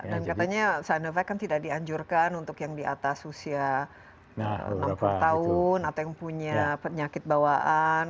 dan katanya sinovac kan tidak dianjurkan untuk yang di atas usia enam puluh tahun atau yang punya penyakit bawaan